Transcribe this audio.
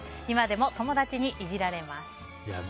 今でも友達にいじられます。